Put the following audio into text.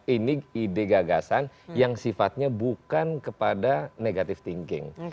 ini ide gagasan yang sifatnya bukan kepada negative thinking